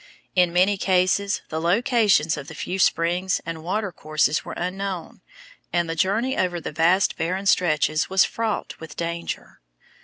In many cases the locations of the few springs and water courses were unknown, and the journey over the vast barren stretches was fraught with danger.